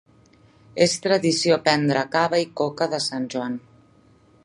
És tradició prendre cava i coca de Sant Joan.